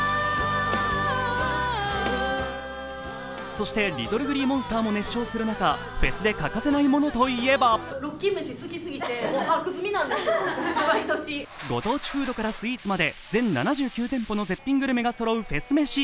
そしてＬｉｔｔｌｅＧｌｅｅＭｏｎｓｔｅｒも熱唱する中、フェスで欠かせないものといえばご当地フードからスイーツまで全７９店舗のフードがそろう絶品飯。